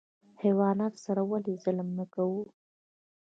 حیواناتو سره ولې ظلم نه کوو؟